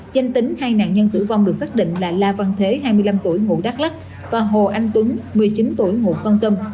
danh tính hai nạn nhân tử vong được xác định là la văn thế hai mươi năm tuổi ngụ đắk lắc và hồ anh tuấn một mươi chín tuổi ngụ văn tâm